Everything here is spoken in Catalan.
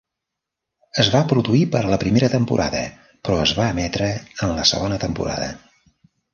Es va produir per a la primera temporada, però es va emetre en la segona temporada.